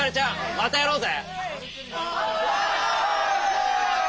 またやろうぜ。